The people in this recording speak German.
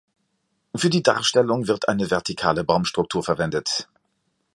Für die Darstellung wird eine vertikale Baumstruktur verwendet.